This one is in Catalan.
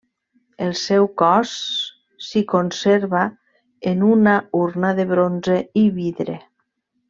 El seu cos s'hi conserva, en una urna de bronze i vidre.